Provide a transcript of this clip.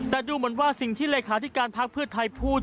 แต่ดูเหมือนว่าสิ่งที่เลขาธิการพักเพื่อไทยพูด